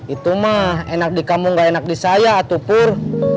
itu mah enak di kamu gak enak di saya atupur